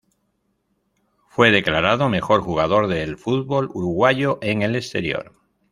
Fue declarado mejor jugador del fútbol uruguayo en el exterior.